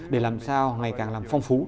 để làm sao ngày càng làm phong phú